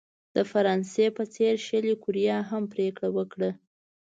د فرانسې په څېر شلي کوریا هم پرېکړه وکړه.